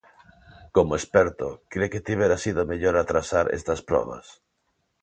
Como experto, cre que tivera sido mellor atrasar estas probas?